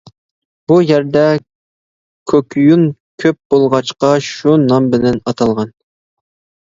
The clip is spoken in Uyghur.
بۇ يەردە كۆكۈيۈن كۆپ بولغاچقا شۇ نام بىلەن ئاتالغان.